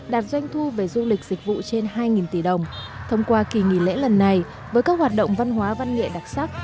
đạt doanh thu về du lịch dịch vụ trên hai tỷ đồng thông qua kỳ nghỉ lễ lần này với các hoạt động văn hóa văn nghệ đặc sắc